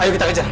ayo kita kejar